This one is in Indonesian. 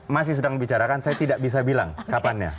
masih sedang dibicarakan saya tidak bisa bilang kapannya